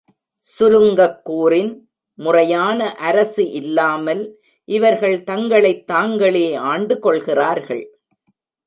சுருங்கக் கூறின், முறையான அரசு இல்லாமல், இவர்கள் தங்களைத் தாங்களே ஆண்டு கொள்கிறார்கள்.